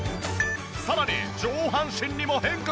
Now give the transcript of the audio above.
さらに上半身にも変化が！